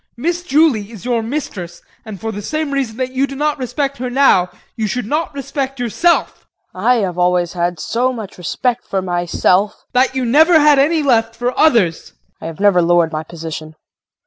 Miss Julie is your mistress and for the same reason that you do not respect her now you should not respect yourself. KRISTIN. I have always had so much respect for myself JEAN. That you never had any left for others! KRISTIN. I have never lowered my position.